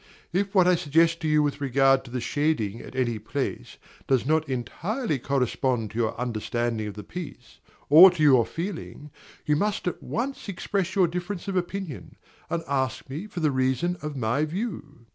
If what I suggest to you with regard to the shading at any place does not entirely correspond to your understanding of the piece, or to your feeling, you must at once express your difference of opinion, and ask me for the reason of my view.